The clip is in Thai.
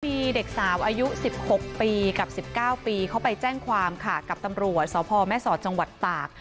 มีเด็กสาวอายุ๑๖ปีกับ๑๙ปีเขาไปแจ้งความค่ะกับตำรวจสพแม่สอดจังหวัดตาก